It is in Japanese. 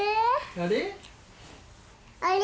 あれ？